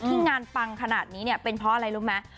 ที่งานปังขนาดนี้เป็นเพราะอะไรรู้ไหม